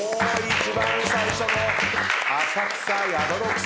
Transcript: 一番最初の「浅草宿六」さんです。